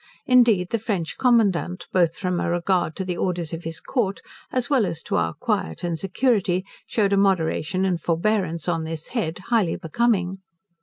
Indeed the French commandant, both from a regard to the orders of his Court as well as to our quiet and security, shewed a moderation and forbearance on this head highly becoming.